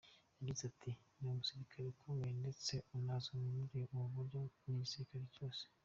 Yagize ati” Ni umusirikare ukomeye ndetse unazwi muri ubu buryo n’igisirikare cyose.